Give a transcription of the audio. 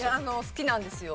好きなんですよ。